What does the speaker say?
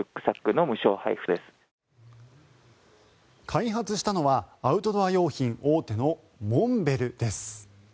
開発したのはアウトドア用品大手のモンベルです。